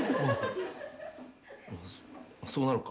そそうなるか。